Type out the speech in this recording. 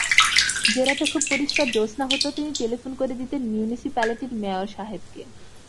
যে-রাতে খুব পরিষ্কার জোছনা হত, তিনি টেলিফোন করে দিতেন মিউনিসিপ্যালিটির মেয়র সাহেবকে।